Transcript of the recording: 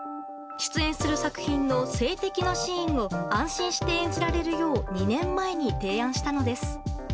出演する作品の性的なシーンを安心して演じられるよう２年前に提案したのです。